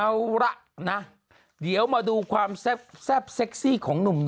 เอาละนะเดี๋ยวมาดูความแซ่บเซ็กซี่ของหนุ่ม